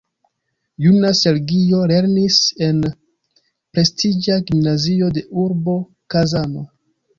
Juna Sergio lernis en prestiĝa gimnazio de urbo Kazano.